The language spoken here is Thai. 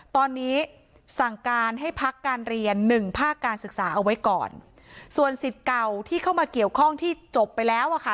ตอนนี้สั่งการให้พักการเรียนหนึ่งภาคการศึกษาเอาไว้ก่อนส่วนสิทธิ์เก่าที่เข้ามาเกี่ยวข้องที่จบไปแล้วอ่ะค่ะ